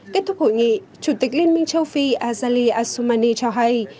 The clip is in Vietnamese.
kết thúc hội nghị chủ tịch liên minh châu phi azali asumani cho hay